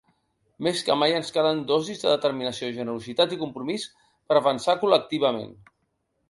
Més que mai, ens calen dosis de determinació, generositat i compromís per avançar col·lectivament.